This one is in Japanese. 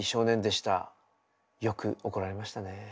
よく怒られましたねえ。